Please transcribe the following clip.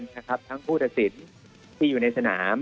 ทั้งผู้ตัดสินที่อยู่ในสนาม